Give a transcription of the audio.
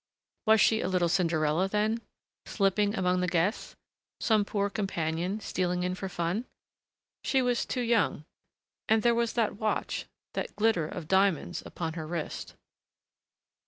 Was she a little Cinderella, then, slipping among the guests? Some poor companion, stealing in for fun?... She was too young. And there was that watch, that glitter of diamonds upon her wrist.